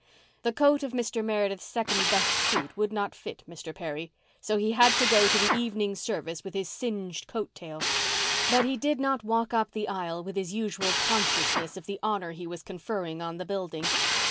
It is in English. The coat of Mr. Meredith's second best suit would not fit Mr. Perry, so he had to go to the evening service with his singed coat tail. But he did not walk up the aisle with his usual consciousness of the honour he was conferring on the building.